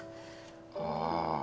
ああ。